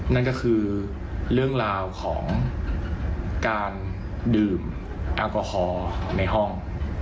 นั่นก็คือเรื่องราวของการดื่มแอลกอฮอล์ในห้อง